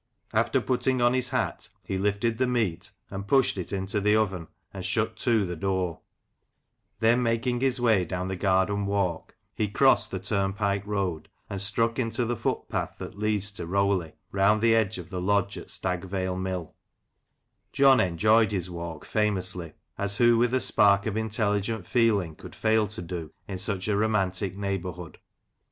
After putting on his hat, he lifted the meat and I04 Lancashire Characters and Places, pushed it into the oven and shut to the door ; then making his way down the garden walk, he crossed the turnpike road and struck into the footpath that leads to Rowley, round the edge of the lodge at Stagvale Mill John enjoyed his walk famously, as who with a spark of intelligent feeling could fail to do in such a romantic neigh bourhood